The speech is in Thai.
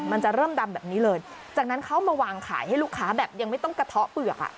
มันจะเริ่มดำแบบนี้เลยจากนั้นเขามาวางขายให้ลูกค้าแบบยังไม่ต้องกระเทาะเปลือกอ่ะ